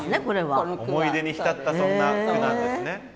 思い出に浸ったそんな句なんですね。